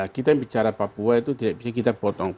kita yang bicara papua itu tidak bisa kita potong